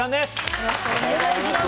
よろしくお願いします。